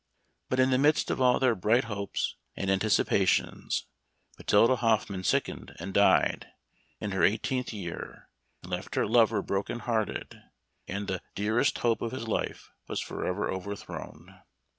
But in the midst of all their bright hopes and anticipations Matilda Hoffman sickened and died, in her eighteenth year, and left her lover broken hearted, and " the dearest hope of his life was forever overthrown."